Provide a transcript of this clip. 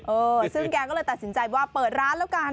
เออซึ่งแกก็เลยตัดสินใจว่าเปิดร้านแล้วกัน